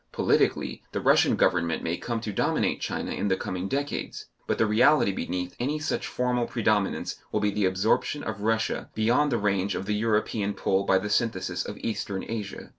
Politically the Russian Government may come to dominate China in the coming decades, but the reality beneath any such formal predominance will be the absorption of Russia beyond the range of the European pull by the synthesis of Eastern Asia.